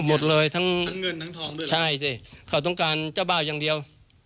หมดเลยทั้งเงินทั้งทองด้วยเหรอใช่สิเขาต้องการเจ้าบ่าวอย่างเดียว